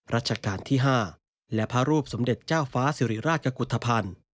ราชการที่๕และพระรูปสมเด็จเจ้าฟ้าสิริราชกุฏภัณฑ์